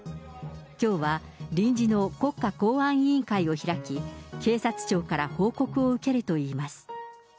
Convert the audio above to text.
きょうは臨時の国家公安委員会を開き、警察庁から報告を受けるといいます。